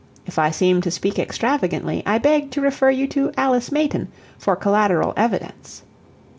If I seem to speak extravagantly, I beg to refer you to Alice Mayton for collateral evidence.